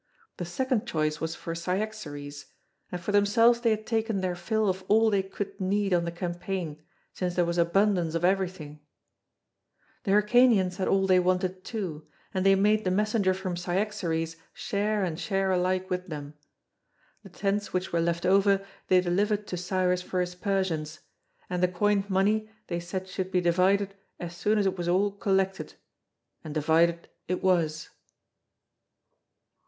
The second choice was for Cyaxares, and for themselves they had taken their fill of all they could need on the campaign, since there was abundance of everything. The Hyrcanians had all they wanted too, and they made the messenger from Cyaxares share and share alike with them. The tents which were left over they delivered to Cyrus for his Persians; and the coined money they said should be divided as soon as it was all collected, and divided it was.